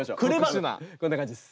こんな感じです。